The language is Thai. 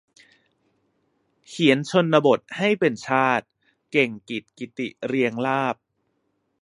เขียนชนบทให้เป็นชาติ - เก่งกิจ กิติเรียงลาภ